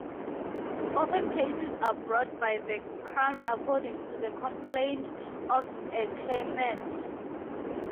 Often cases are brought by the Crown according to the complaint of a claimant.